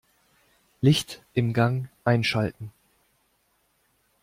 Licht im Gang einschalten.